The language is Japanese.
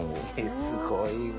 すごいわ。